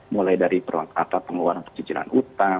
mulai dari perangkat atau pengeluaran pencicilan utang